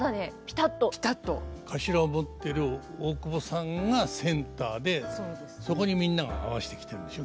かしらを持ってる大久保さんがセンターでそこにみんなが合わせてきてるんでしょ。